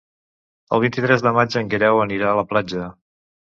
El vint-i-tres de maig en Guerau anirà a la platja.